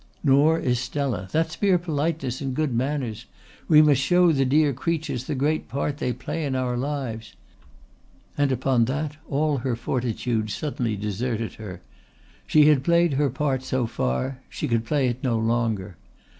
"Nor is Stella. That's mere politeness and good manners. We must show the dear creatures the great part they play in our lives." And upon that all her fortitude suddenly deserted her. She had played her part so far, she could play it no longer.